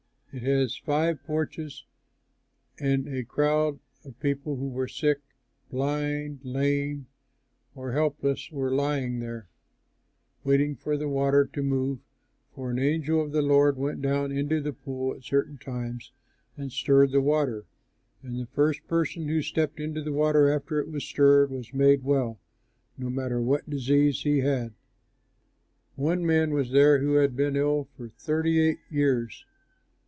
It has five porches, and a crowd of people who were sick, blind, lame or helpless were lying there, waiting for the water to move, for an angel of the Lord went down into the pool at certain times and stirred the water; and the first person who stepped into the water after it was stirred was made well, no matter what disease he had. One man was there who had been ill for thirty eight years.